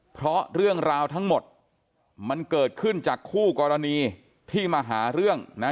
เพราะเรื่องราวทั้งหมดมันเกิดขึ้นจากคู่กรณีที่มาหาเรื่องนะ